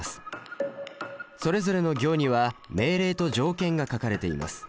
それぞれの行には命令と条件が書かれています。